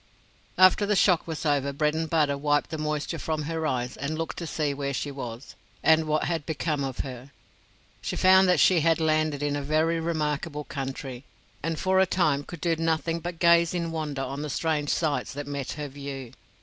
After the shock was over Bredenbutta wiped the moisture from her eyes and looked to see where she was, and what had become of her. She found that she had landed in a very remarkable country, and for a time could do nothing but gaze in wonder on the strange sights that met her view.